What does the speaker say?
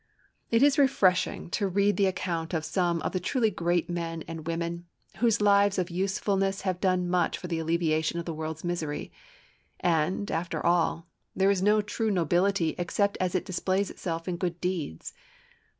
It is refreshing to read the account of some of the truly great men and women, whose lives of usefulness have done much for the alleviation of the world's misery. And, after all, there is no true nobility except as it displays itself in good deeds.